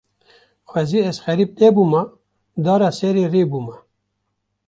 Xwezî ez xerîb nebûma, dara serê rê bûma